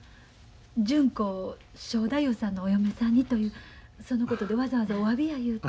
純子を正太夫さんのお嫁さんにというそのことでわざわざおわびやいうて。